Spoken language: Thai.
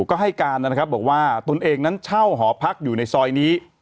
ก็ให้การนะครับบอกว่าตนเองนั้นเช่าหอพักอยู่ในซอยนี้